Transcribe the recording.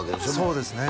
そうですね